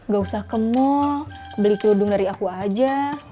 gak usah ke mall beli keludung dari aku aja